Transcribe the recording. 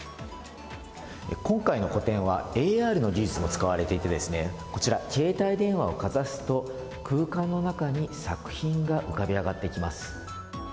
今回の個展はＡＲの技術も使われていてですね、こちら、携帯電話をかざすと、空間の中に作品が浮かび上がってきます。